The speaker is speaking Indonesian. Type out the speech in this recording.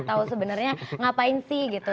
tahu sebenarnya ngapain sih gitu